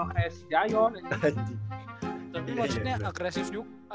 tapi posisinya agresif juga